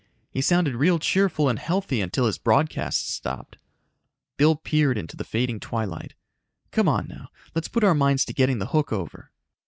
He sounded real cheerful and healthy until his broadcasts stopped." Bill peered into the fading twilight. "Come on now, let's put our minds to getting the hook over!"